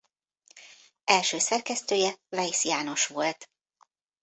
Első szerkesztője Weisz János volt.